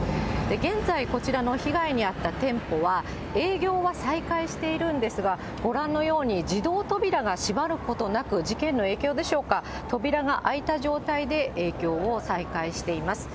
現在、こちらの被害に遭った店舗は、営業は再開しているんですが、ご覧のように自動扉が閉まることなく、事件の影響でしょうか、扉が開いた状態で営業を再開しています。